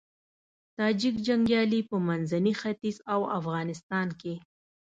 تاجیک جنګيالي په منځني ختيځ او افغانستان کې